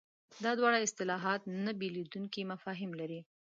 دا دواړه اصطلاحات نه بېلېدونکي مفاهیم لري.